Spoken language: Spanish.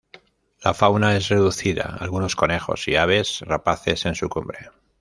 La fauna es reducida: algunos conejos, y aves rapaces en su cumbre.